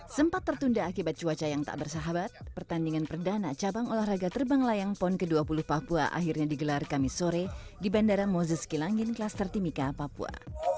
sempat tertunda akibat cuaca yang tak bersahabat pertandingan perdana cabang olahraga terbang layang pon ke dua puluh papua akhirnya digelar kamis sore di bandara moses kilangin kluster timika papua